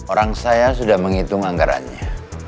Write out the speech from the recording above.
orang saya sudah menghitung anggarannya